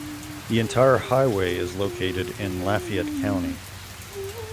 The entire highway is located in Lafayette County.